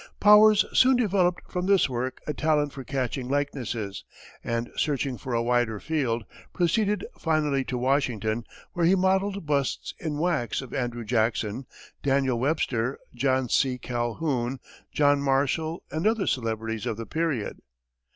Powers soon developed from this work a talent for catching likenesses, and, searching for a wider field, proceeded finally to Washington, where he modelled busts in wax of Andrew Jackson, Daniel Webster, John C. Calhoun, John Marshall, and other celebrities of the period.